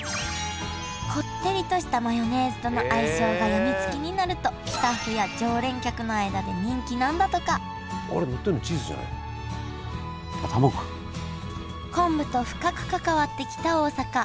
こってりとしたマヨネーズとの相性が病みつきになるとスタッフや常連客の間で人気なんだとか昆布と深く関わってきた大阪。